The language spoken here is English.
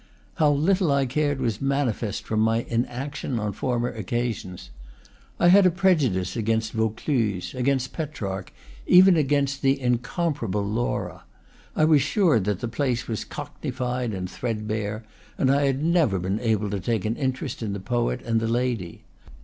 How little I cared was manifest from my inaction on former oc casions. I had a prejudice against Vancluse, against Petrarch, even against the incomparable Laura. I was sure that the place was cockneyfied and threadbare, and I had never been able to take an interest in the poet and the lady.